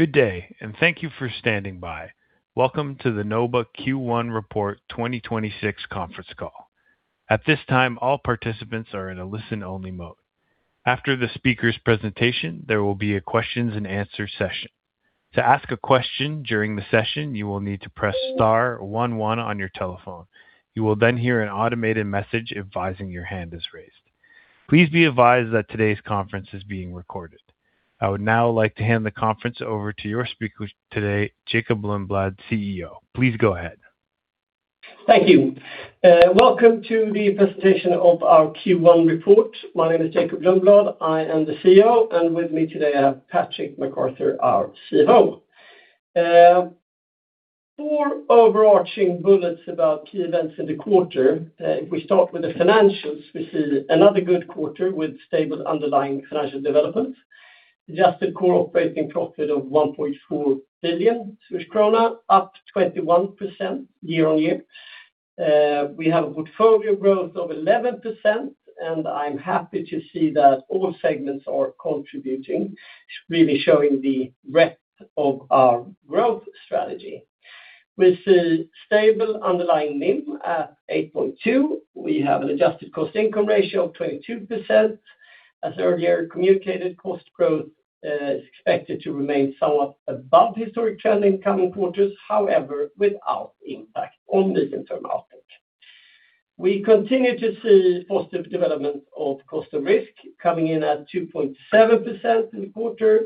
Good day, and thank you for standing by. Welcome to the NOBA Q1 Report 2026 conference call. At this time, all participants are in a listen-only mode. After the speaker's presentation, there will be a questions and answer session. To ask a question during the session, you will need to press star one, one on your telephone. You will hear an automated message advising your hand is raised. Please be advised that today's conference is being recorded. I would now like to hand the conference over to your speaker today, Jacob Lundblad, CEO. Please go ahead. Thank you. Welcome to the presentation of our Q1 report. My name is Jacob Lundblad. I am the CEO, and with me today, I have Patrick MacArthur, our CFO. Four overarching bullets about key events in the quarter. If we start with the financials, we see another good quarter with stable underlying financial development. Adjusted core operating profit of 1.4 billion krona, up 21% year-on-year. We have a portfolio growth of 11%, and I'm happy to see that all segments are contributing, really showing the breadth of our growth strategy. We see stable underlying NIM at 8.2%. We have an adjusted cost-income ratio of 22%. As earlier communicated, cost growth is expected to remain somewhat above historic trend in coming quarters, however, without impact on the interim outlook. We continue to see positive development of cost of risk coming in at 2.7% in the quarter.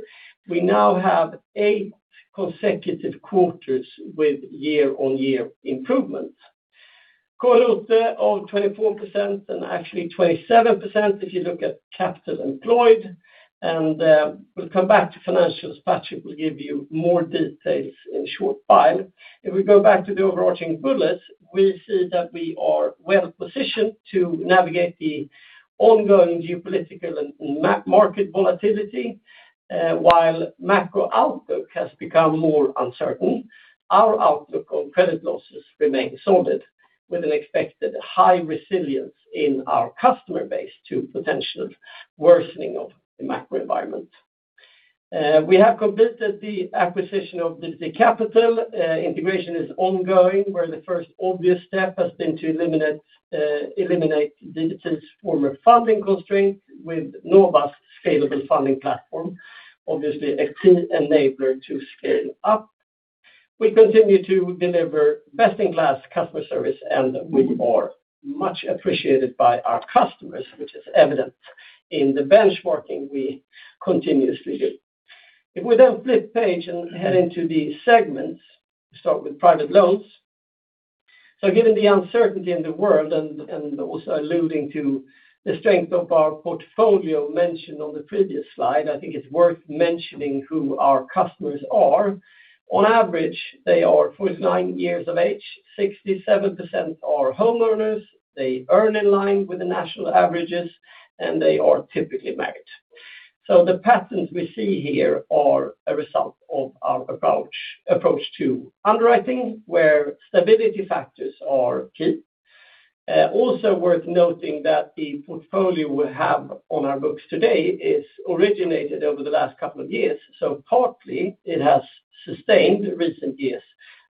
We now have eight consecutive quarters with year-on-year improvements. Core ROTE of 24% and actually 27% if you look at capital employed. We'll come back to financials. Patrick will give you more details in short while. If we go back to the overarching bullets, we see that we are well-positioned to navigate the ongoing geopolitical and market volatility. While macro outlook has become more uncertain, our outlook on credit losses remains solid with an expected high resilience in our customer base to potential worsening of the macro environment. We have completed the acquisition of DBT Capital. Integration is ongoing, where the first obvious step has been to eliminate DBT's former funding constraint with NOBA's scalable funding platform. Obviously, a key enabler to scale up. We continue to deliver best-in-class customer service, and we are much appreciated by our customers, which is evident in the benchmarking we continuously do. If we flip page and head into the segments, we start with private loans. Given the uncertainty in the world and also alluding to the strength of our portfolio mentioned on the previous slide, I think it's worth mentioning who our customers are. On average, they are 49 years of age. 67% are homeowners. They earn in line with the national averages, and they are typically married. The patterns we see here are a result of our approach to underwriting, where stability factors are key. Also worth noting that the portfolio we have on our books today is originated over the last couple of years. Partly, it has sustained recent years'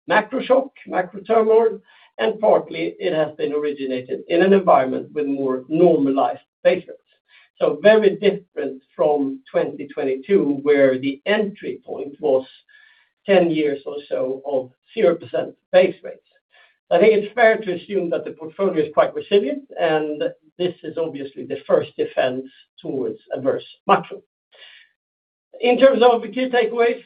macro shock, macro turmoil, and partly it has been originated in an environment with more normalized base rates. Very different from 2022, where the entry point was 10 years or so of 0% base rates. I think it's fair to assume that the portfolio is quite resilient, and this is obviously the first defense towards adverse macro. In terms of the key takeaways,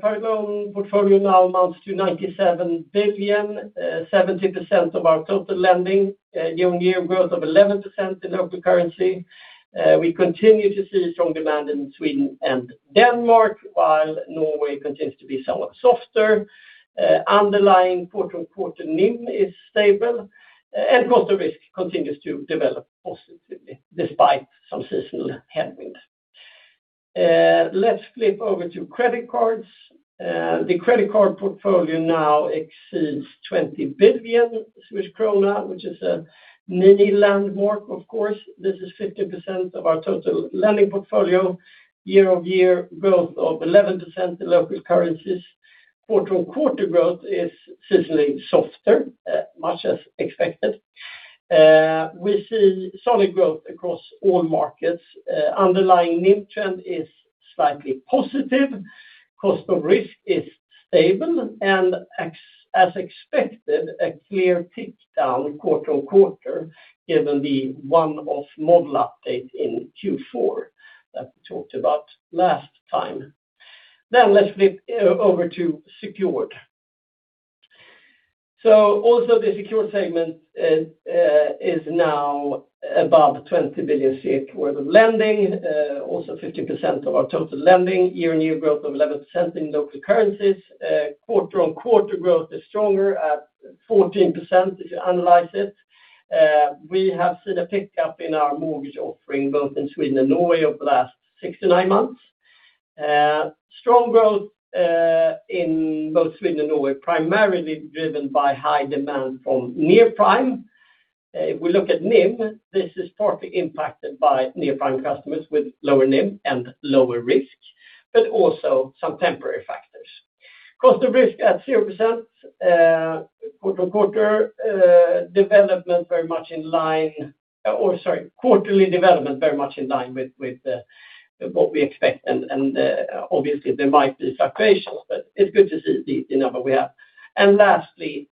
private loan portfolio now amounts to 97 billion, 70% of our total lending, year-on-year growth of 11% in local currency. We continue to see strong demand in Sweden and Denmark, while Norway continues to be somewhat softer. Underlying quarter-on-quarter NIM is stable, and cost of risk continues to develop positively despite some seasonal headwinds. Let's flip over to credit cards. The credit card portfolio now exceeds 20 billion krona, which is a mini landmark, of course. This is 50% of our total lending portfolio. Year-on-year growth of 11% in local currencies. Quarter-on-quarter growth is seasonally softer, much as expected. We see solid growth across all markets. Underlying NIM trend is slightly positive. Cost of risk is stable and as expected, a clear tick down quarter-on-quarter, given the one-off model update in Q4 that we talked about last time. Let's flip over to Secured. Also the Secured segment is now above 20 billion worth of lending, also 15% of our total lending, year-on-year growth of 11% in local currencies. Quarter-on-quarter growth is stronger at 14% if you analyze it. We have seen a pickup in our mortgage offering both in Sweden and Norway over the last six to nine months. Strong growth in both Sweden and Norway, primarily driven by high demand from near prime. If we look at NIM, this is partly impacted by near prime customers with lower NIM and lower risk, but also some temporary factors. Cost of risk at 0% quarter-to-quarter development very much in line with what we expect and obviously there might be fluctuations, but it is good to see the number we have. Lastly,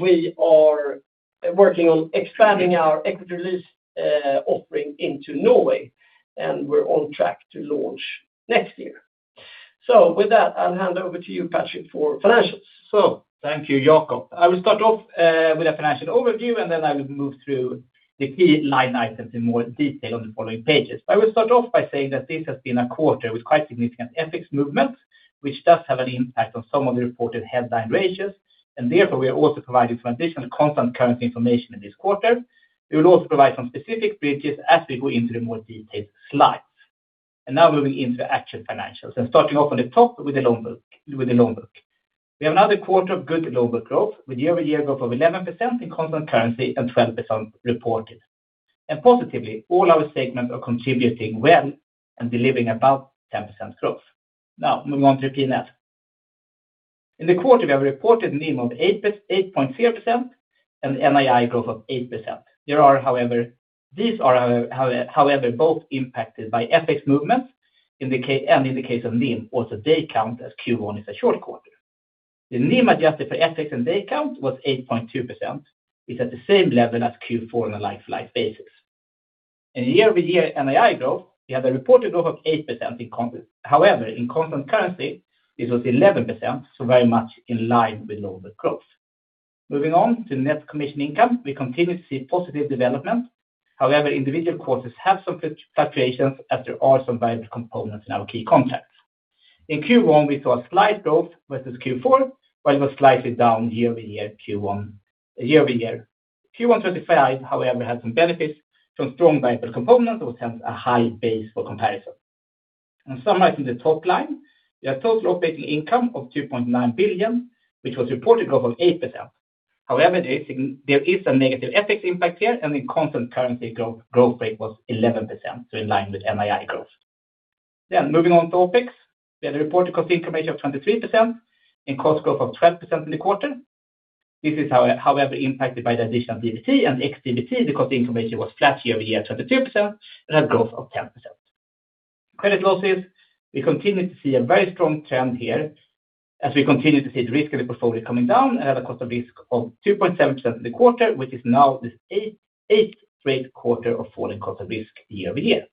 we are working on expanding our equity release offering into Norway, and we are on track to launch next year. With that, I will hand over to you, Patrick, for financials. Thank you, Jacob. I will start off with a financial overview, and then I will move through the key line items in more detail on the following pages. I will start off by saying that this has been a quarter with quite significant FX movements, which does have an impact on some of the reported headline ratios, and therefore we are also providing some additional constant currency information in this quarter. We will also provide some specific bridges as we go into the more detailed slides. Now moving into the actual financials, and starting off on the top with the loan book. We have another quarter of good loan book growth with year-over-year growth of 11% in constant currency and 12% reported. Positively, all our segments are contributing well and delivering about 10% growth. Moving on to P&L. In the quarter, we have a reported NIM of 8.0% and NII growth of 8%. These are however both impacted by FX movements and in the case of NIM, also day count as Q1 is a short quarter. The NIM adjusted for FX and day count was 8.2%, which is at the same level as Q4 on a like for like basis. Year-over-year NII growth, we have a reported growth of 8%. In constant currency, this was 11%, very much in line with loan book growth. Moving on to net commission income, we continue to see positive development. Individual quarters have some fluctuations as there are some variable components in our key contracts. In Q1, we saw a slight growth versus Q4, while it was slightly down year-over-year Q1. Year-over-year Q1 2025, however, had some benefits from strong variable components, which has a high base for comparison. Summarizing the top line, we have total operating income of 2.9 billion, which was reported growth of 8%. However, there is a negative FX impact here, and in constant currency growth rate was 11%, so in line with NII growth. Moving on to OpEx, we had a reported cost income of 23% and cost growth of 12% in the quarter. This is however impacted by the addition of DBT and ex-DBT because the information was flat year-over-year at 22% and had growth of 10%. Credit losses, we continue to see a very strong trend here as we continue to see the risk of the portfolio coming down and at a cost of risk of 2.7% in the quarter, which is now the eighth straight quarter of falling cost of risk year-over-year.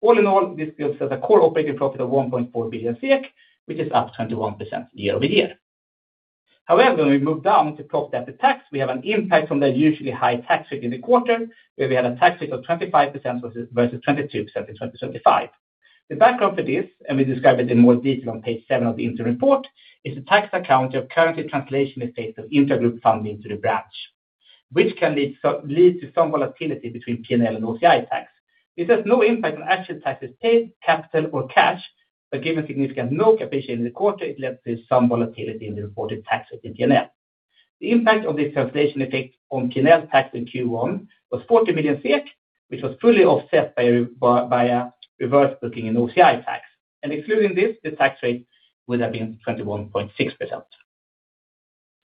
All in all, this gives us a core operating profit of 1.4 billion SEK, which is up 21% year-over-year. When we move down to profit after tax, we have an impact from the usually high tax rate in the quarter, where we had a tax rate of 25% versus 22% in 2025. The background for this, we describe it in more detail on page seven of the interim report, is the tax account of currency translation effects of intra-group funding to the branch, which can lead to some volatility between P&L and OCI tax. This has no impact on actual taxes paid, capital, or cash, but given significant NOK appreciation in the quarter, it led to some volatility in the reported tax rate in P&L. The impact of this translation effect on P&L tax in Q1 was 40 million SEK, which was fully offset by reverse booking an OCI tax. Excluding this, the tax rate would have been 21.6%.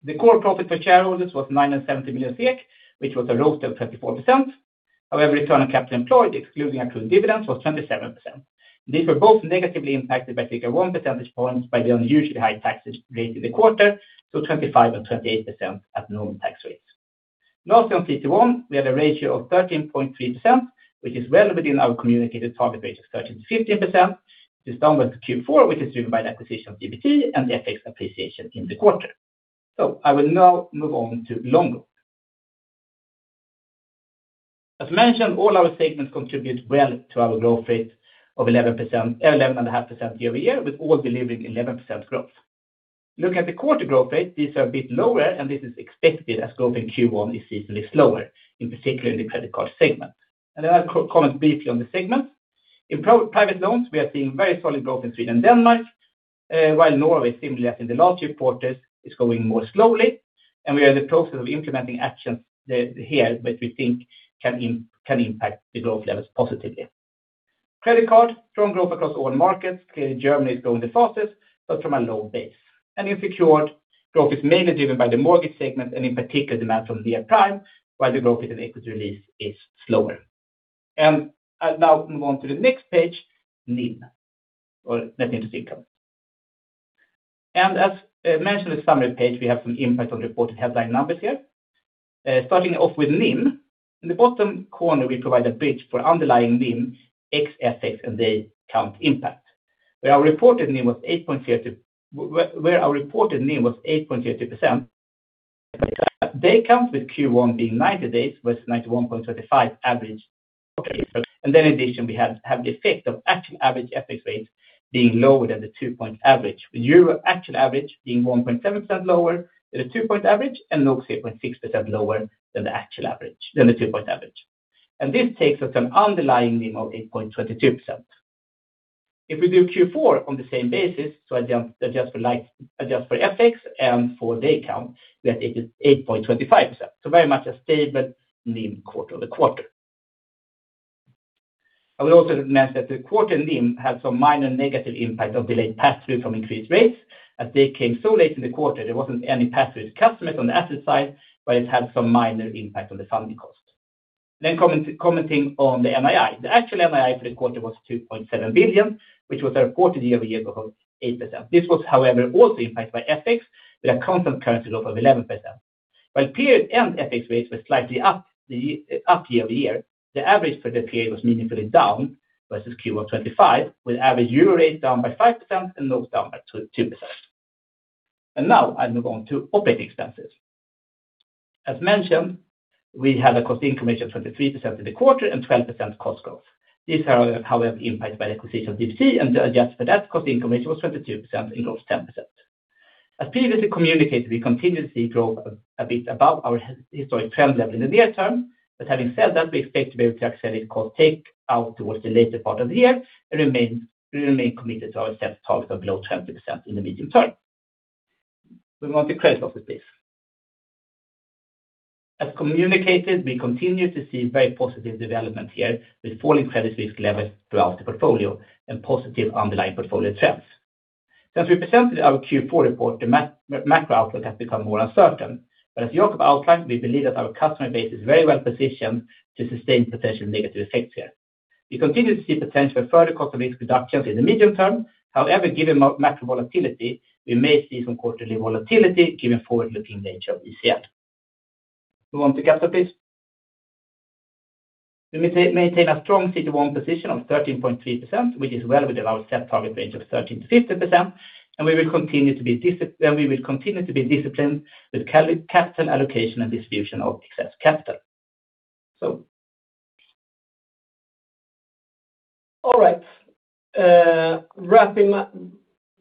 The core profit for shareholders was 970 million, which was a growth of 34%. Return on capital employed, excluding accrued dividends, was 27%. These were both negatively impacted by three to one percentage points by the unusually high taxes rate in the quarter, 25% and 28% at normal tax rates. On CET1, we have a ratio of 13.3%, which is well within our communicated target range of 13%-15%. This is down versus Q4, which is driven by the acquisition of DBT and the FX appreciation in the quarter. I will now move on to loan book. As mentioned, all our segments contribute well to our growth rate of 11% or 11.5% year-over-year, with all delivering 11% growth. Looking at the quarter growth rate, these are a bit lower, and this is expected as growth in Q1 is seasonally slower, in particular in the credit card segment. I'll co-comment briefly on the segment. In private loans, we are seeing very solid growth in Sweden and Denmark, while Norway, similarly as in the last few quarters, is growing more slowly. We are in the process of implementing actions here which we think can impact the growth levels positively. Credit card, strong growth across all markets. Clearly, Germany is growing the fastest, but from a low base. In Secured, growth is mainly driven by the mortgage segment and in particular demand from near prime, while the growth in equity release is slower. I'll now move on to the next page, NIM or net interest income. As mentioned in the summary page, we have some impact on reported headline numbers here. Starting off with NIM, in the bottom corner we provide a bridge for underlying NIM ex FX and day count impact. Where our reported NIM was 8.02%, day count with Q1 being 90 days versus 91.25 average. Okay. In addition, we have the effect of actual average FX rates being lower than the two-point average, with EUR actual average being 1.7% lower than the two-point average and NOK 3.6% lower than the two-point average. This takes us an underlying NIM of 8.22%. If we do Q4 on the same basis, so adjust for FX and for day count, that it is 8.25%. Very much a stable NIM quarter-over-quarter. I will also mention that the quarter NIM had some minor negative impact of delayed pass-through from increased rates as they came so late in the quarter, there wasn't any pass-through to customers on the asset side, but it had some minor impact on the funding cost. Commenting on the NII. The actual NII for the quarter was 2.7 billion, which was a reported year-over-year growth of 8%. This was however also impacted by FX with a constant currency growth of 11%. While period end FX rates were slightly up year-over-year, the average for the period was meaningfully down versus Q1 2025, with average EUR rate down by 5% and NOK down by 2%. Now I'll move on to operating expenses. As mentioned, we had a cost-income ratio of 23% in the quarter and 12% cost growth. These are however impacted by the acquisition of DBT and adjust for that cost-income ratio of 22% and growth of 10%. As previously communicated, we continue to see growth a bit above our historic trend level in the near term. Having said that, we expect to be able to accelerate cost take out towards the later part of the year and remain committed to our set target of below 12% in the medium term. We move on to credit office please. As communicated, we continue to see very positive development here with falling credit risk levels throughout the portfolio and positive underlying portfolio trends. Since we presented our Q4 report, the macro outlook has become more uncertain. As you look outside, we believe that our customer base is very well positioned to sustain potential negative effects here. We continue to see potential for further cost of risk reductions in the medium term. However, given macro volatility, we may see some quarterly volatility given forward-looking nature of ECL. Move on to capital please. We maintain a strong CET1 position of 13.3%, which is well within our set target range of 13%-15%, and we will continue to be disciplined with capital allocation and distribution of excess capital.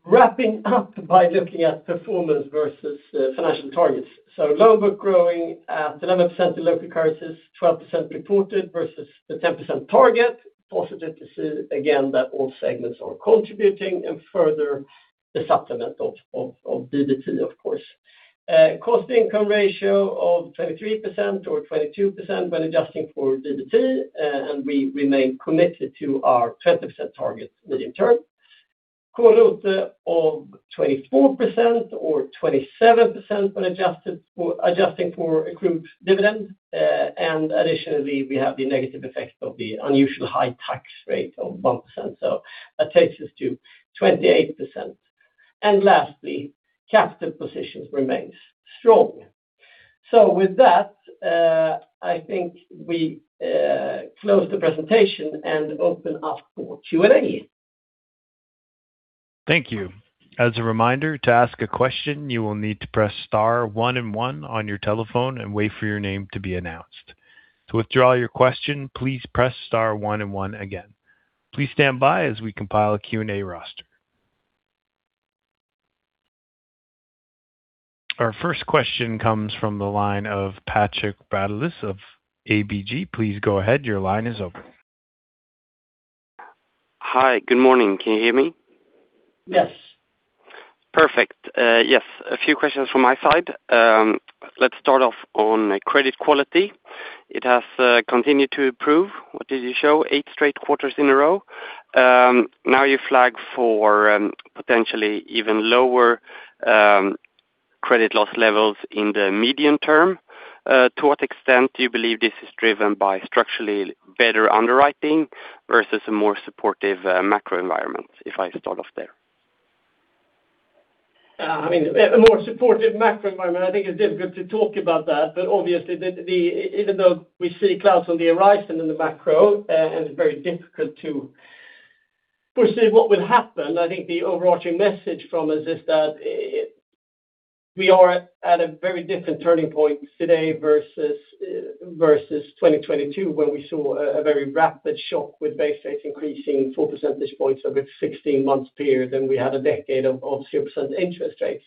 Wrapping up by looking at performance versus financial targets. Loan book growing at 11% in local currencies, 12% reported versus the 10% target. Positive to see again that all segments are contributing and further the supplement of DBT of course. Cost income ratio of 23% or 22% when adjusting for DBT, we remain committed to our 20% target medium term. Core ROTE of 24% or 27% when adjusting for accrued dividend. Additionally, we have the negative effect of the unusual high tax rate of 1%. That takes us to 28%. Lastly, capital positions remains strong. With that, I think we close the presentation and open up for Q&A. Thank you. As a reminder, to ask a question, you will need to press star one and one on your telephone and wait for your name to be announced. To withdraw your question, please press star one and one again. Our first question comes from the line of Patrik Brattelius of ABG. Please go ahead. Your line is open. Hi. Good morning. Can you hear me? Yes. Perfect. Yes, a few questions from my side. Let's start off on credit quality. It has continued to improve. What did you show? Eight straight quarters in a row. Now you flag for potentially even lower credit loss levels in the medium term. To what extent do you believe this is driven by structurally better underwriting versus a more supportive macro environment, if I start off there? I mean, a more supportive macro environment, I think it's difficult to talk about that. Obviously, even though we see clouds on the horizon in the macro, and it's very difficult to foresee what will happen, I think the overarching message from us is that we are at a very different turning point today versus 2022, when we saw a very rapid shock with base rates increasing four percentage points over 16 months period, and we had a decade of 0% interest rates.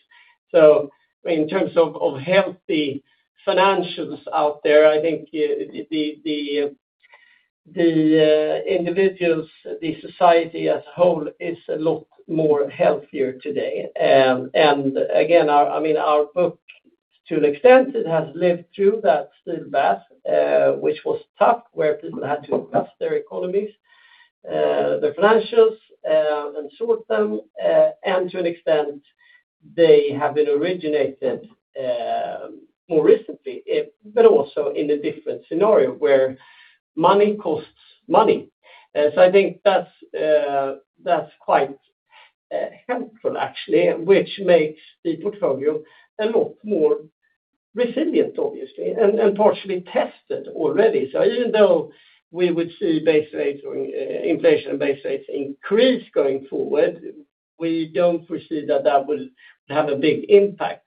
In terms of healthy financials out there, I think the individuals, the society as whole is a lot more healthier today. And again, I mean, our book, to an extent, it has lived through that stress test, which was tough, where people had to adjust their economies, their financials, and sort them, and to an extent, they have been originated, more recently, but also in a different scenario where money costs money. I think that's quite, helpful actually, which makes the portfolio a lot more resilient obviously and partially tested already. Even though we would see base rates or inflation and base rates increase going forward, we don't foresee that that will have a big impact.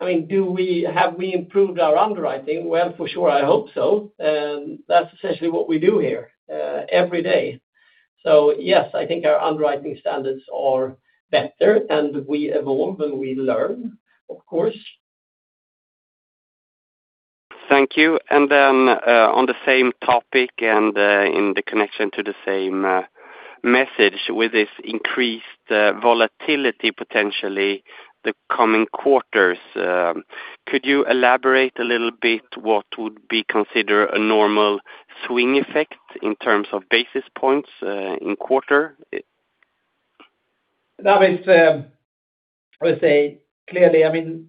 I mean, have we improved our underwriting? Well, for sure, I hope so. That's essentially what we do here, every day. Yes, I think our underwriting standards are better and we evolve and we learn, of course. Thank you. On the same topic and in the connection to the same message with this increased volatility potentially the coming quarters, could you elaborate a little bit what would be considered a normal swing effect in terms of basis points in quarter? That is, I would say clearly, I mean,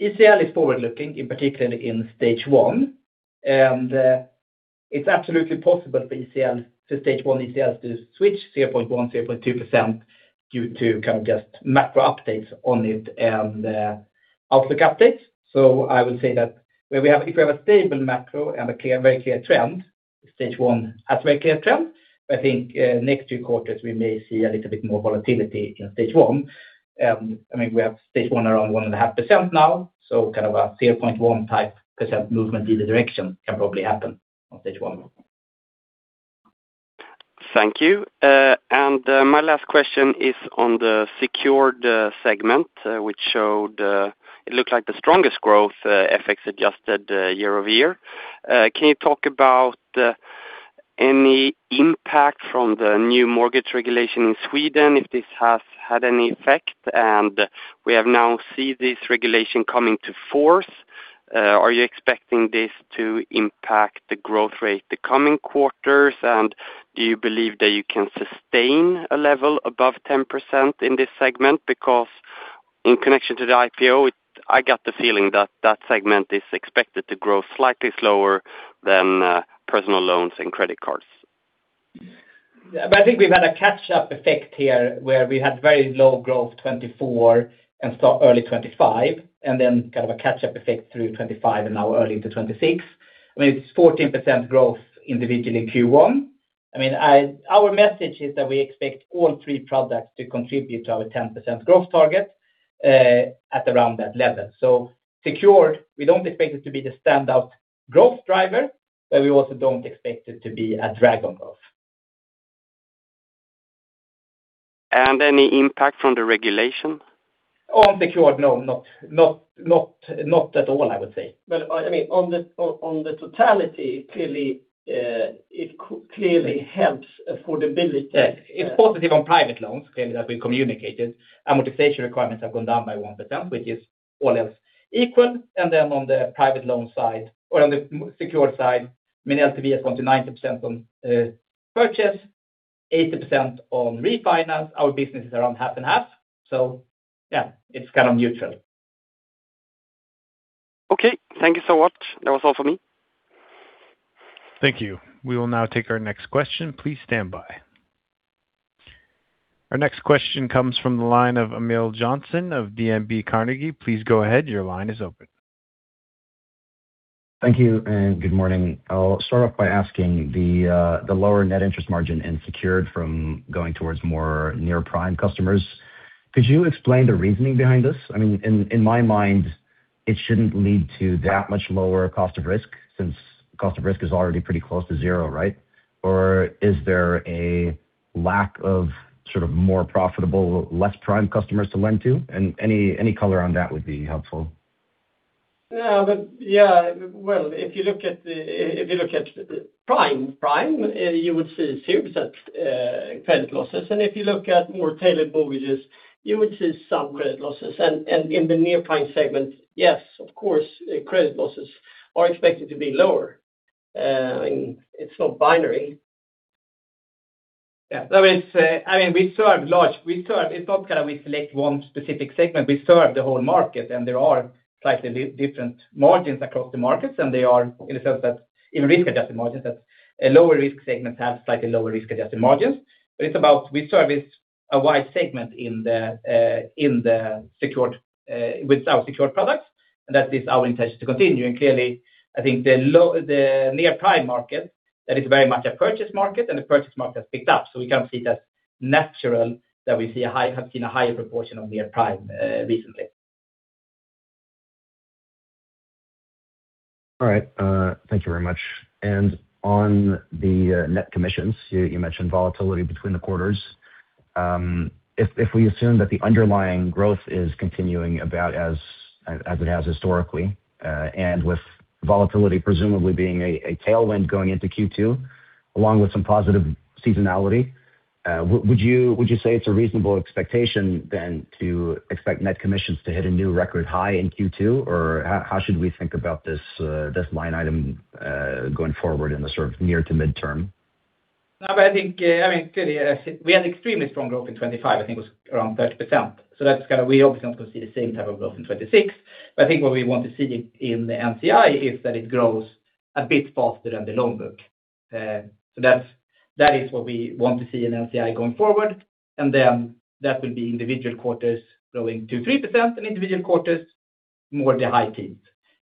ECL is forward-looking, in particularly in Stage one. It's absolutely possible for ECL to Stage one ECL to switch 0.1%, 0.2% due to kind of just macro updates on it and outlook updates. I would say that if we have a stable macro and a clear, very clear trend, Stage 1 has very clear trend. I think, next two quarters, we may see a little bit more volatility in Stage one. I mean, we have Stage one around 1.5% now, so kind of a 0.1 type % movement in the direction can probably happen on Stage one. Thank you. My last question is on the Secured segment, which showed, it looked like the strongest growth, FX adjusted year-over-year. Can you talk about any impact from the new mortgage regulation in Sweden, if this has had any effect? We have now seen this regulation coming to force. Are you expecting this to impact the growth rate the coming quarters? Do you believe that you can sustain a level above 10% in this segment? Because in connection to the IPO, I got the feeling that that segment is expected to grow slightly slower than private loans and credit cards. I think we've had a catch-up effect here where we had very low growth 2024 and so early 2025, and then kind of a catch-up effect through 2025 and now early into 2026. I mean, it's 14% growth individually Q1. I mean, our message is that we expect all three products to contribute to our 10% growth target at around that level. Secured, we don't expect it to be the standout growth driver, but we also don't expect it to be a drag on growth. Any impact from the regulation? On secured, no, not at all, I would say. I mean, on the totality, clearly, it clearly helps affordability. It's positive on private loans, clearly, as we communicated. Amortization requirements have gone down by 1%, which is all else equal. On the private loan side or on the Secured side, I mean, LTV has gone to 90% on purchase, 80% on refinance. Our business is around 1/2 and 1/2, it's kind of neutral. Okay. Thank you so much. That was all for me. Thank you. We will now take our next question. Our next question comes from the line of Emil Jonsson of DNB Carnegie. Please go ahead. Thank you and good morning. I'll start off by asking the lower net interest margin and Secured from going towards more near-prime customers. Could you explain the reasoning behind this? I mean, in my mind, it shouldn't lead to that much lower cost of risk since cost of risk is already pretty close to zero, right? Is there a lack of sort of more profitable, less prime customers to lend to? Any color on that would be helpful. Well, if you look at prime, you would see 0% credit losses. If you look at more tailored mortgages, you would see some credit losses. In the near-prime segment, yes, of course, credit losses are expected to be lower. I mean, it's not binary. That means, I mean, we serve It's not gonna we select one specific segment. We serve the whole market, there are slightly different margins across the markets, they are in a sense that even risk-adjusted margins that a lower risk segment have slightly lower risk-adjusted margins. It's about we service a wide segment in the Secured with our Secured products, that is our intention to continue. Clearly, I think the near-prime market, that is very much a purchase market, and the purchase market has picked up. We can see that natural that we have seen a higher proportion of near-prime recently. All right. Thank you very much. On the net commissions, you mentioned volatility between the quarters. If we assume that the underlying growth is continuing about as it has historically, and with volatility presumably being a tailwind going into Q2 along with some positive seasonality, would you say it's a reasonable expectation then to expect net commissions to hit a new record high in Q2? Or how should we think about this line item going forward in the sort of near to midterm? I think, I mean, clearly, we had extremely strong growth in 2025. I think it was around 30%. That's kinda we obviously not gonna see the same type of growth in 2026. I think what we want to see in the NCI is that it grows a bit faster than the loan book. That's, that is what we want to see in NCI going forward. That will be individual quarters growing 2%, 3% in individual quarters, more the high teens.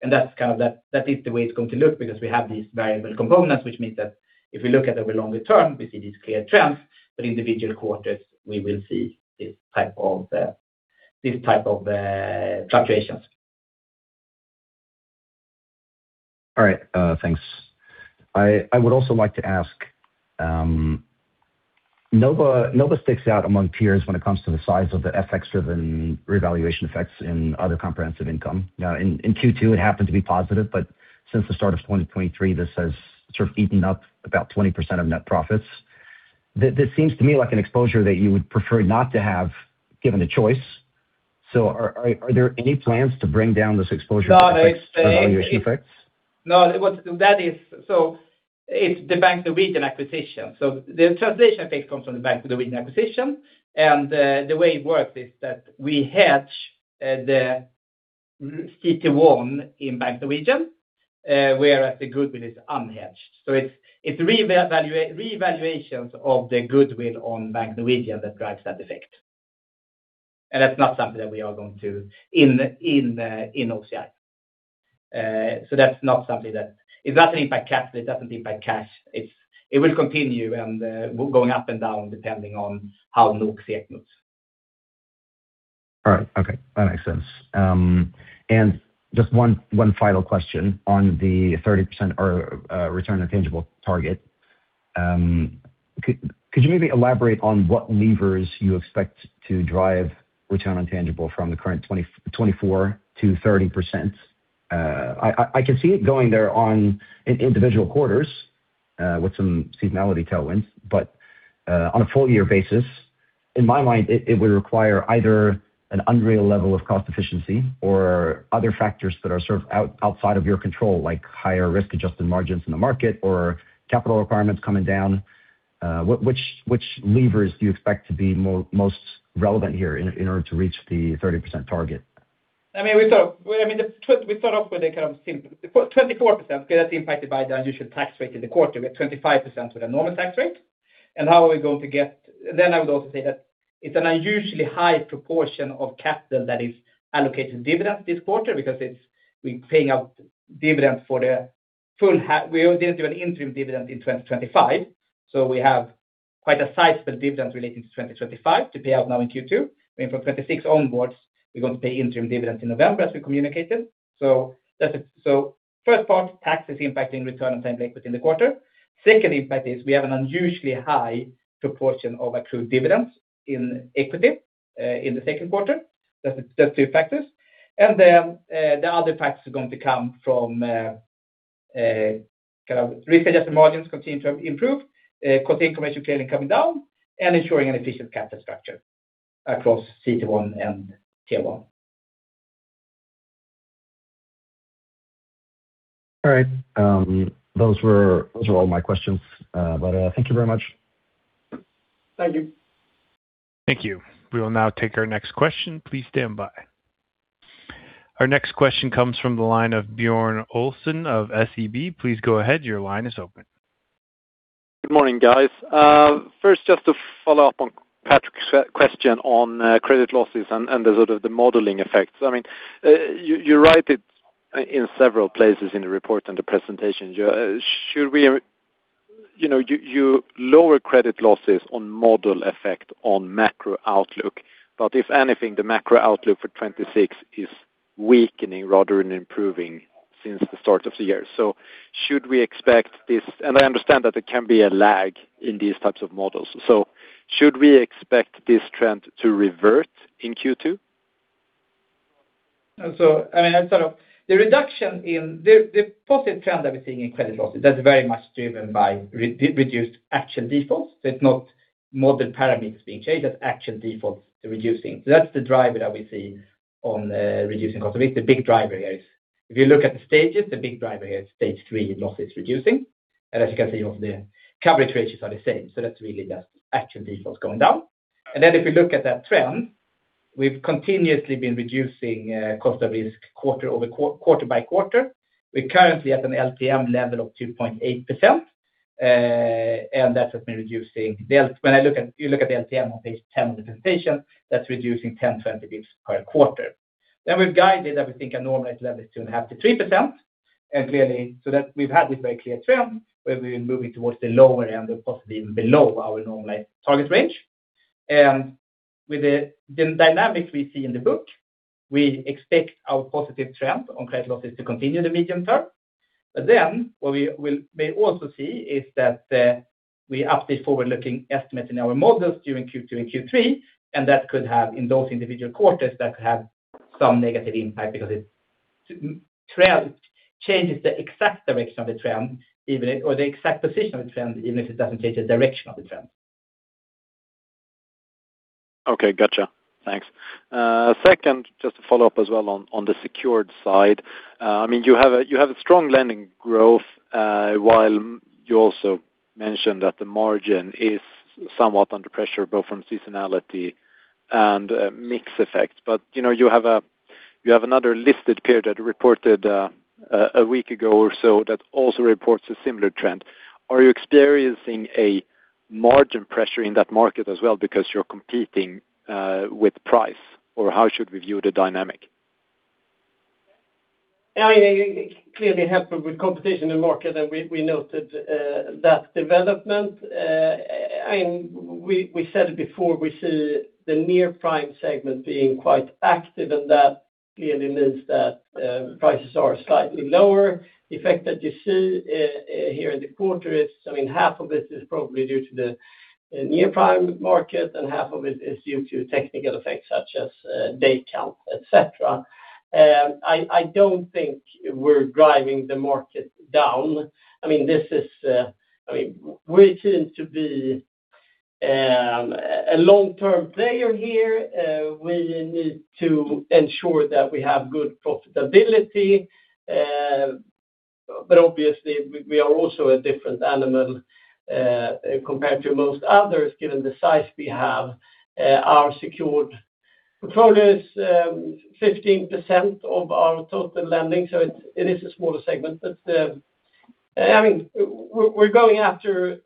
That's kind of that is the way it's going to look because we have these variable components, which means that if we look at it over longer term, we see these clear trends. Individual quarters, we will see this type of, this type of, fluctuations. All right. Thanks. I would also like to ask, NOBA sticks out among peers when it comes to the size of the FX driven revaluation effects in other comprehensive income. In Q2, it happened to be positive, but since the start of 2023, this has sort of eaten up about 20% of net profits. This seems to me like an exposure that you would prefer not to have given the choice. Are there any plans to bring down this exposure effects, FX effects? No. It's the Bank Norwegian acquisition. The translation effect comes from the Bank Norwegian acquisition. The way it works is that we hedge the CET1 in Bank Norwegian, whereas the goodwill is unhedged. It's reevaluations of the goodwill on Bank Norwegian that drives that effect. That's not something that we are going to in OCI. It doesn't impact capital, it doesn't impact cash. It will continue going up and down depending on how NOK/SEK moves. All right. Okay. That makes sense. Just one final question on the 30% return on tangible target. Could you maybe elaborate on what levers you expect to drive return on tangible from the current 24% to 30%? I can see it going there on, in individual quarters, with some seasonality tailwinds. On a full year basis, in my mind it would require either an unreal level of cost efficiency or other factors that are sort of outside of your control, like higher risk-adjusted margins in the market or capital requirements coming down. Which levers do you expect to be most relevant here in order to reach the 30% target? We start off with a kind of simple 24%, that's impacted by the unusual tax rate in the quarter. We have 25% with a normal tax rate. I would also say that it's an unusually high proportion of capital that is allocated dividend this quarter because it's we're paying out dividends for the full we didn't do an interim dividend in 2025, so we have quite a sizable dividend relating to 2025 to pay out now in Q2. For 2026 onwards, we're going to pay interim dividends in November as we communicated. That's it. First part, tax is impacting return on tangible equity in the quarter. Second impact is we have an unusually high proportion of accrued dividends in equity in the second quarter. That's two factors. The other factors are going to come from kind of risk-adjusted margins continue to improve, cost increment clearly coming down and ensuring an efficient capital structure across CET1 and Tier one. All right. Those were all my questions. Thank you very much. Thank you. Thank you. We will now take our next question. Our next question comes from the line of Björn Olsson of SEB. Please go ahead. Good morning, guys. First, just to follow up on Patrick's question on credit losses and the sort of the modeling effects. I mean, you write it in several places in the report and the presentation. You know, you lower credit losses on model effect on macro outlook. If anything, the macro outlook for 2026 is weakening rather than improving since the start of the year. Should we expect this? I understand that there can be a lag in these types of models. Should we expect this trend to revert in Q2? I mean, sort of the reduction in the positive trend that we're seeing in credit losses, that's very much driven by reduced actual defaults. It's not model parameters being changed, that's actual defaults reducing. That's the driver that we see on reducing cost of risk. The big driver here is if you look at the stages, the big driver here is Stage three losses reducing. As you can see also the coverage ratios are the same. That's really just actual defaults going down. If you look at that trend, we've continuously been reducing cost of risk quarter by quarter. We're currently at an LTM level of 2.8%. That has been reducing the you look at the LTM on page 10 of the presentation, that's reducing 10, 20 basis points per quarter. We've guided that we think a normalized level is 2.5% to 3%. Clearly so that we've had this very clear trend where we've been moving towards the lower end of possibly even below our normalized target range. With the dynamics we see in the book, we expect our positive trend on credit losses to continue the medium term. What we will may also see is that, we update forward-looking estimates in our models during Q2 and Q3, and that could have, in those individual quarters, that could have some negative impact because it's trend changes the exact direction of the trend, Or the exact position of the trend, even if it doesn't change the direction of the trend. Okay. Gotcha. Thanks. Second, just to follow up as well on the Secured side. I mean, you have a strong lending growth, while you also mentioned that the margin is somewhat under pressure, both from seasonality and mix effect. You know, you have another listed peer that reported one week ago or so that also reports a similar trend. Are you experiencing a margin pressure in that market as well because you're competing with price, or how should we view the dynamic? I mean, clearly helped with competition in the market and we noted that development. I mean, we said it before, we see the near prime segment being quite active, and that clearly means that prices are slightly lower. The effect that you see here in the quarter is, I mean, 1/2 of it is probably due to the near prime market, and half of it is due to technical effects such as day count, et cetera. I don't think we're driving the market down. I mean, this is, I mean, we seem to be a long-term player here. We need to ensure that we have good profitability. Obviously we are also a different animal compared to most others, given the size we have. Our Secured portfolio is 15% of our total lending, so it is a smaller segment. I mean, we're going after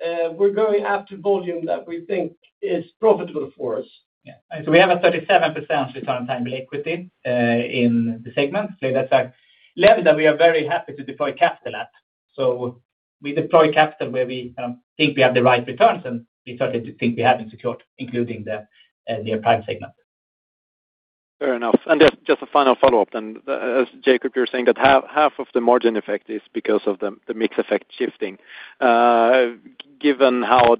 volume that we think is profitable for us. Yeah. We have a 37% return on tangible equity in the segment. That's a level that we are very happy to deploy capital at. We deploy capital where we think we have the right returns, and we certainly do think we have in Secured, including the near prime segment. Fair enough. Just a final follow-up then. As Jacob, you're saying that half of the margin effect is because of the mix effect shifting. Given how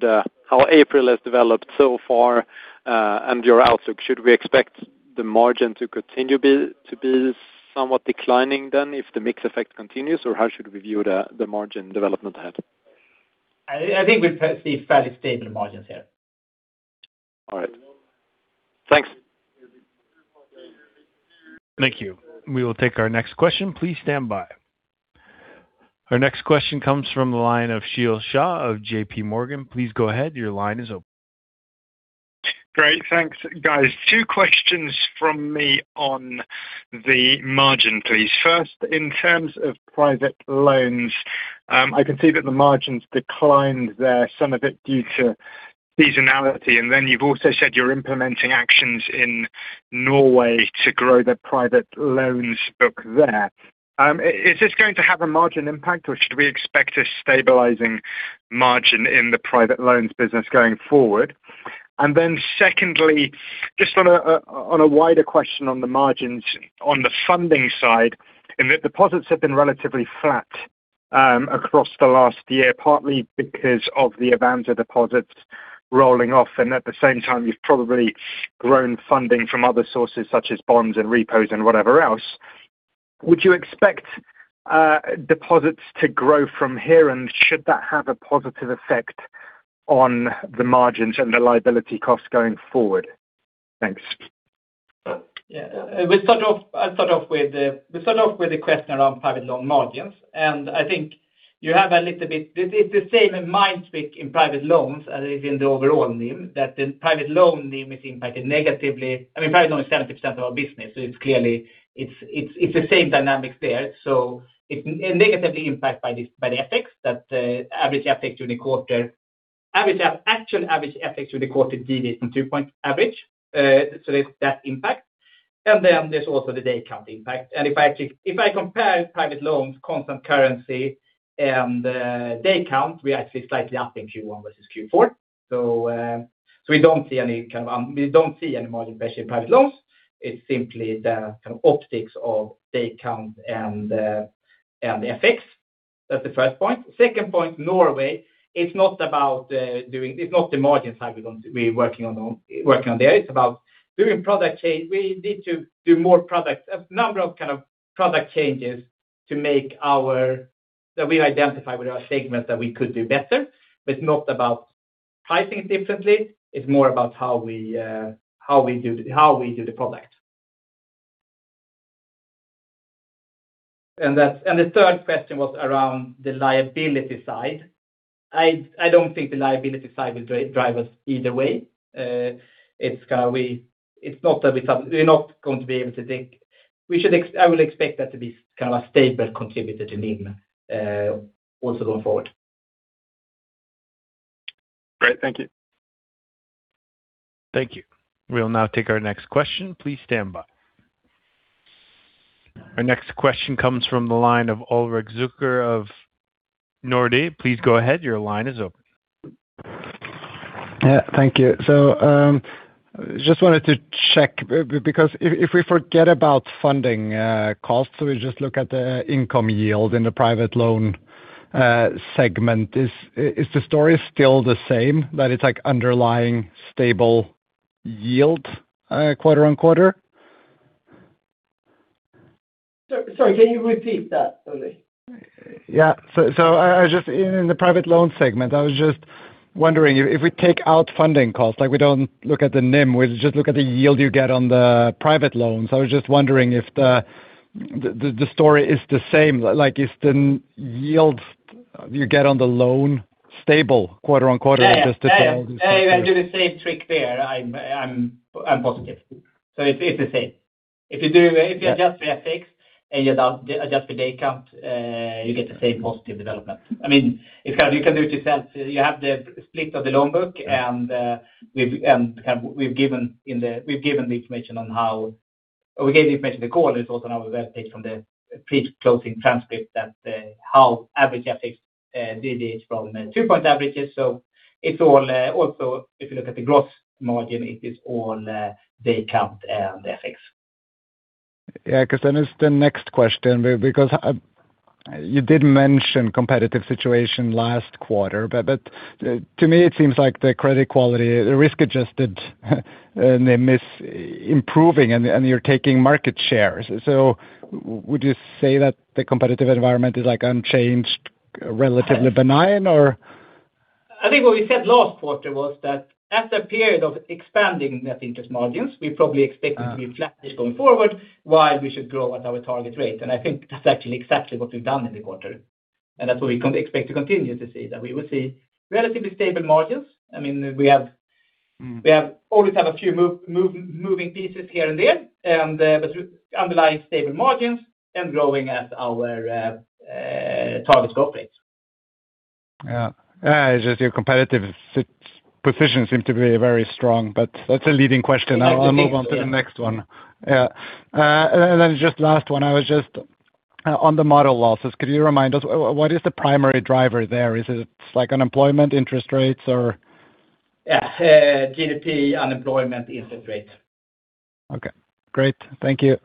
April has developed so far, and your outlook, should we expect the margin to continue to be somewhat declining then if the mix effect continues, or how should we view the margin development ahead? I think we'll see fairly stable margins here. All right. Thanks. Thank you. We will take our next question. Our next question comes from the line of Sheel Shah of JPMorgan. Please go ahead. Great. Thanks, guys. two questions from me on the margin, please. First, in terms of private loans, I can see that the margins declined there, some of it due to seasonality, and then you've also said you're implementing actions in Norway to grow the private loans book there. Is this going to have a margin impact, or should we expect a stabilizing margin in the private loans business going forward? Secondly, just on a wider question on the margins, on the funding side, in that deposits have been relatively flat, across the last year, partly because of the Avanza deposits rolling off, and at the same time, you've probably grown funding from other sources such as bonds and repos and whatever else. Would you expect deposits to grow from here, and should that have a positive effect on the margins and the liability costs going forward? Thanks. Yeah. We'll start off with the question around private loan margins. I think you have a little bit the same mind speak in private loans as in the overall NIM, that the private loan NIM is impacted negatively. I mean, private loan is 10% of our business, it's clearly the same dynamics there. It negatively impacted by this, by the FX, that the Actual average FX during the quarter deviated from two point average. There's that impact. There's also the day count impact. If I compare private loans, constant currency, and the day count, we're actually slightly up in Q1 versus Q4. We don't see any margin pressure in private loans. It's simply the kind of optics of day count and the FX. That's the first point. Second point, Norway, it's not about It's not the margin side we're going to be working on there. It's about doing product change. We need to do A number of kind of product changes to make our That we identify with our segments that we could do better. It's not about pricing differently, it's more about how we do the product. The third question was around the liability side. I don't think the liability side will drive us either way. I will expect that to be kind of a stable contributor to NIM, also going forward. Great. Thank you. Thank you. We'll now take our next question. Please stand by. Our next question comes from the line of Ulrik Zürcher of Nordea. Please go ahead. Yeah. Thank you. Just wanted to check because if we forget about funding costs, so we just look at the income yield in the private loan segment, is the story still the same? That it's like underlying stable yield, quarter-on-quarter? Sorry, can you repeat that, Ulrik? Yeah. I was just In the private loan segment, I was just wondering if we take out funding costs, like we don't look at the NIM, we just look at the yield you get on the private loans. I was just wondering if the story is the same. Like, is the yields you get on the loan stable quarter-on-quarter? Yeah. If I do the same trick there, I'm positive. It's the same. Yeah If you adjust for FX and you do adjust for day count, you get the same positive development. I mean, it's kind of you can do it yourself. You have the split of the loan book. Yeah We gave the information. The call is also on our web page from the pre-closing transcript that average FX deviates from two-point averages. Also, if you look at the gross margin, it is all day count and FX. Yeah, 'cause then it's the next question because you did mention competitive situation last quarter. To me it seems like the credit quality, the risk-adjusted and they miss improving and you're taking market shares. Would you say that the competitive environment is like unchanged, relatively benign or? I think what we said last quarter was that after a period of expanding net interest margins, we probably expect it to be flat-ish going forward while we should grow at our target rate. I think that's actually exactly what we've done in the quarter, and that's what we can expect to continue to see. That we will see relatively stable margins. We always have a few moving pieces here and there but underlying stable margins and growing at our target growth rate. Yeah. Yeah, it's just your competitive position seem to be very strong. That's a leading question. Yeah, indeed. I'll move on to the next one. Yeah. Just last one, I was just on the model losses, could you remind us what is the primary driver there? Is it like unemployment interest rates or? Yeah, GDP unemployment interest rates. Okay, great. Thank you.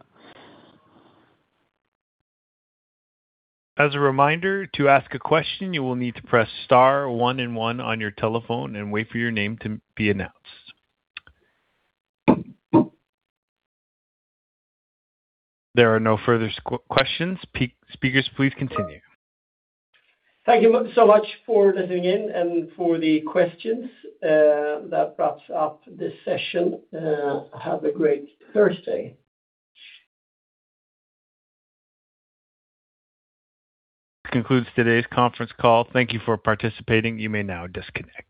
There are no further questions. Speakers, please continue. Thank you so much for listening in and for the questions. That wraps up this session. Have a great Thursday. This concludes today's conference call. Thank you for participating. You may now disconnect.